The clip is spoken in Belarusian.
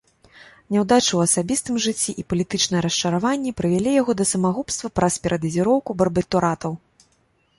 Няўдачы ў асабістым жыцці і палітычнае расчараванне прывялі яго да самагубства праз перадазіроўку барбітуратаў.